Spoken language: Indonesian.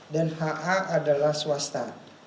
dan ha adalah swasta